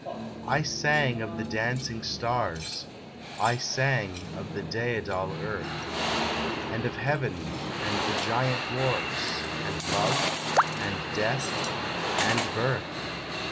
I sang of the dancing Stars, I sang of the daedal Earth, And of Heaven, and the giant wars, And Love, and Death, and Birth.